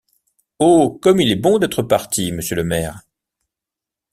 Oh! comme il est bon d’être parti, monsieur le maire !